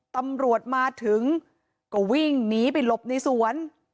ตำรวจมาถึงก็วิ่งหนีไปหลบในสวน